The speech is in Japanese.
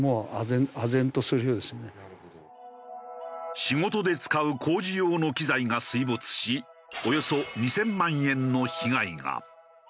仕事で使う工事用の機材が水没しおよそ２０００万円の被害が。